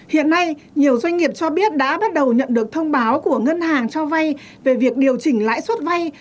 hiện nay nhiều doanh nghiệp cho biết đã bắt đầu nhận được thông báo của ngân hàng cho vay về việc điều chỉnh lãi suất vay